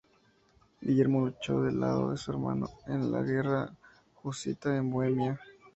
Guillermo luchó del lado de su hermano en la guerra husita en Bohemia.